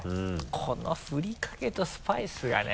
この「ふりかけ」と「スパイス」がね